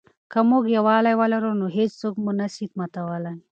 که موږ یووالي ولرو نو هېڅوک مو نه سي ماتولای.